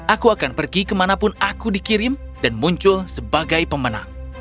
aku akan pergi kemanapun aku dikirim dan muncul sebagai pemenang